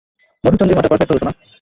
মধুচন্দ্রিমাটা perfect হবে, সোনা।